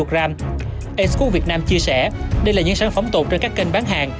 acecook việt nam chia sẻ đây là những sản phẩm tụt trên các kênh bán hàng